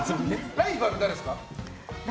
ライバルは誰ですか？